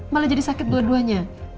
malah jadi sakit dua duanya